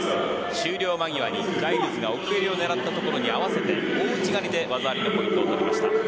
終了間際にジャイルズが奥襟を狙ったところに合わせて大内刈りで技ありのポイントを取りました。